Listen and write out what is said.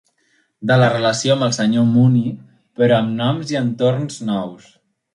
De la relació amb el senyor Mooney, però amb noms i entorns nous.